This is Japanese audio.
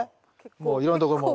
もういろんなとこもう。